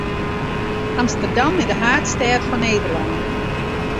Amsterdam is de haadstêd fan Nederlân.